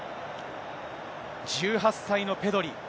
１８歳のペドリ。